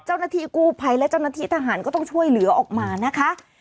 เจ้าหน้าที่กู้ภัยและเจ้าหน้าที่ทหารก็ต้องช่วยเหลือออกมานะคะ